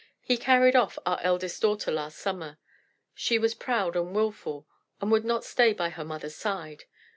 He carried off our eldest daughter last summer. She was proud and wilful, and would not stay by her mother's side....